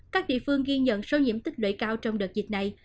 các địa phương ghi nhận số nhiễm tích lưỡi cao trong đợt dịch này